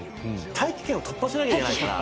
大気圏を突破しなきゃいけないから。